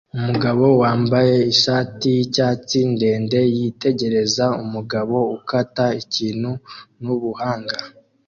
Umugabo wambaye ishati yicyatsi ndende yitegereza umugabo ukata ikintu nubuhanga